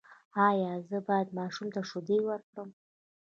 ایا زه باید ماشوم ته شیدې ورکړم؟